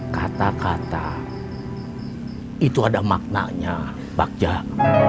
kata kata itu ada maknanya pak jak